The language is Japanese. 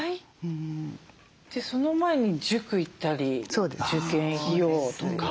その前に塾行ったり受験費用とか。